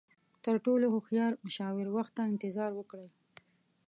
تر ټولو هوښیار مشاور، وخت ته انتظار وکړئ.